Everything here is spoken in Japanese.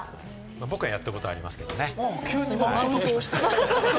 僕はやったことありますけれどもね。